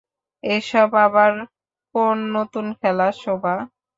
এসব আবার কোন নতুন খেলা শোভা?